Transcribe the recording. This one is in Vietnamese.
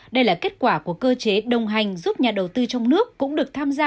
đây là kết quả của cơ chế đồng hành giúp nhà đầu tư trong nước cũng được tham gia